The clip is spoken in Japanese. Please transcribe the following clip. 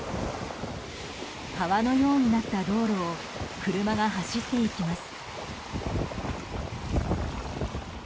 川のようになった道路を車が走っていきます。